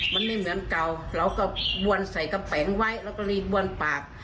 มันไม่เหมือนเก่าเราก็บวนใส่กระแป๋งไว้แล้วก็รีบบวนปาก